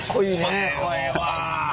かっこええ。